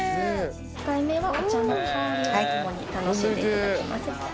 １杯目はお茶の香りを主に楽しんでいただきます。